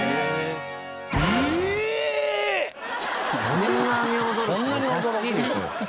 そんなに驚くっておかしいでしょ。